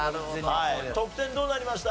得点どうなりました？